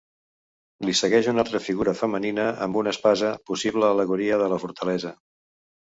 Li segueix una altra figura femenina amb una espasa, possible al·legoria de la Fortalesa.